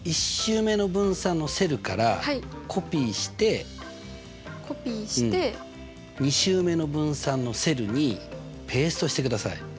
１週目の分散のセルからコピーして２週目の分散のセルにペーストしてください。